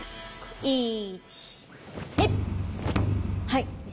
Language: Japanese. はい。